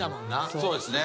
そうですね。